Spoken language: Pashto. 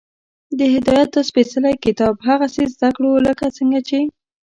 د هدایت دا سپېڅلی کتاب هغسې زده کړو، لکه څنګه چې